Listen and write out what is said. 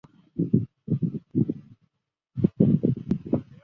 主要枢纽是伦敦希斯路机场及伦敦格域机场。